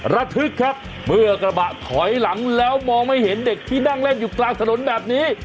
ระทึกครับเมื่อกระบะถอยหลังแล้วมองไม่เห็นเด็กที่นั่งเล่นอยู่กลางถนนแบบนี้